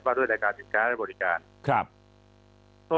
มีดูแลกาศนิทริการสนุทีและบดการ